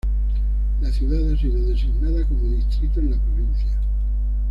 La ciudad ha sido designada como distrito en la provincia.